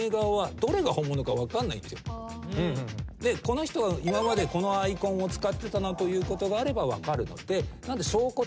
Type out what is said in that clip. この人は今までこのアイコンを使ってたなということがあれば分かるので証拠として。